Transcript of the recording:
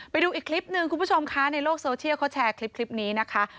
ไปดูอีกคลิปหนึ่งคุณผู้ชมคะในโลกโซเชียลเขาแชร์คลิปนี้นะคะ